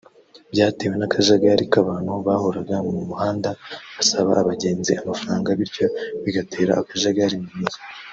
byatewe nakajagari k’abantu bahoraga mu muhanda basaba abagenzi amafaranga bityo bigatera akajagari mu mujyi